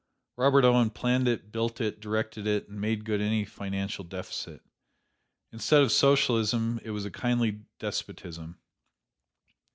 Robert Owen planned it, built it, directed it and made good any financial deficit. Instead of Socialism it was a kindly despotism.